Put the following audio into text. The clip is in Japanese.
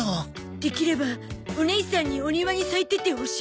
できればおねいさんにお庭に咲いててほしい。